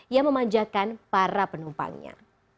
yang memanjakan para penumpangnya